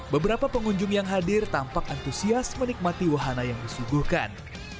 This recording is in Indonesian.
beberapa pengunjung yang hadir tampak antusias menikmati wahana yang disuguhkan